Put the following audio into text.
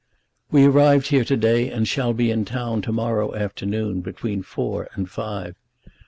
"We arrived here to day, and shall be in town to morrow afternoon, between four and five.